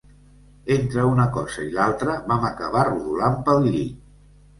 Entre una cosa i l'altra vam acabar rodolant pel llit.